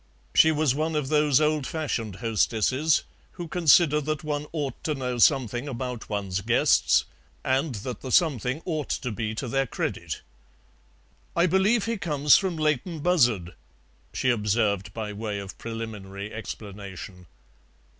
She was one of those old fashioned hostesses who consider that one ought to know something about one's guests, and that the something ought to be to their credit. "I believe he comes from Leighton Buzzard," she observed by way of preliminary explanation.